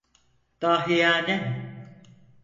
Dahiyane.